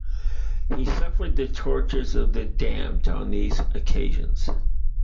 He suffered the tortures of the damned on these occasions.